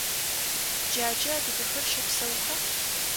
Джаджэ адыгэхэр щэпсэуха?